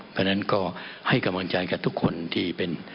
เพราะฉะนั้นก็ให้กำลังใจกับทุกคนที่เป็น